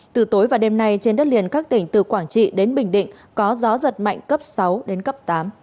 từ tối và đêm nay trên đất liền các tỉnh từ quảng trị đến bình định có gió giật mạnh cấp sáu đến cấp tám